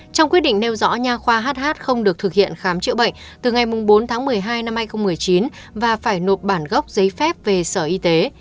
trong quyết định nêu rõ nhà khoa hh không được thực hiện khám chữa bệnh từ ngày bốn tháng một mươi hai năm hai nghìn một mươi chín và phải nộp bản gốc giấy phép về sở y tế